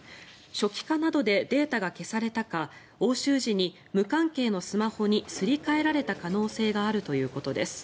初期化などでデータが消されたか押収時に無関係のスマホにすり替えられた可能性があるということです。